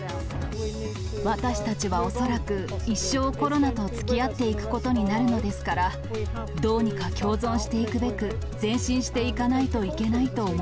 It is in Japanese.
私たちは恐らく、一生コロナとつきあっていくことになるのですから、どうにか共存していくべく、前進していかないといけないと思